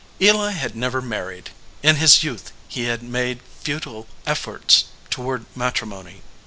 Eli had never married. In his youth he had made futile efforts toward matrimony.